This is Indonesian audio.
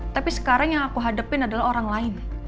tapi sekarang yang aku hadapin adalah orang lain